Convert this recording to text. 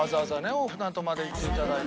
大船渡まで行って頂いて」